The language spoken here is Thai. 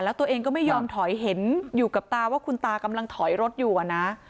แล้วตัวเองก็ไม่ยอมถอยเห็นอยู่กับตาว่าคุณตากำลังถอยรถอยู่อะนะ